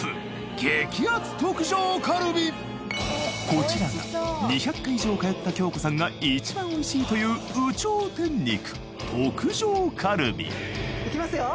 こちらが２００回以上通った京子さんが一番おいしいという有頂天肉特上カルビいきますよ